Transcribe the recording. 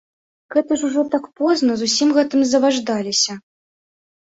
Гэта ж ужо так позна, з усім гэтым заваждаліся.